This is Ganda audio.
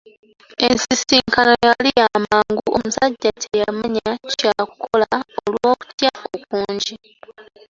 Ensisinkano yali yamangu, omusajja teyamanya kya kukola olw'okutya okungi.